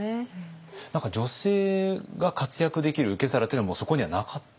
女性が活躍できる受け皿というのはもうそこにはなかった？